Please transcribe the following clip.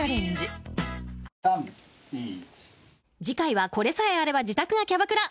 「次回はこれさえあれば自宅がキャバクラ！」